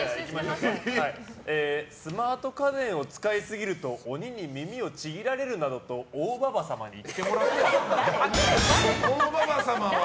スマート家電を使いすぎると鬼に耳をちぎられるなどと大ばば様に言ってもらっては？